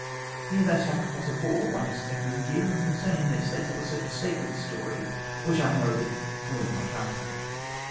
Here they sacrifice a boar once every year; and concerning this they tell a certain sacred story which I know but will not utter.